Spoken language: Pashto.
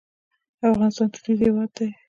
افغانستان دودیز هېواد دی.